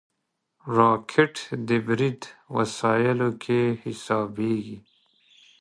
راکټ د برید وسایلو کې حسابېږي